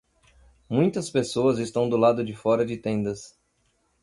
Muitas pessoas estão do lado de fora de tendas.